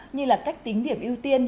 như là cách tính điểm ưu tiên